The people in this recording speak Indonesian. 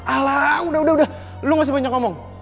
alah udah udah udah lo gak usah banyak ngomong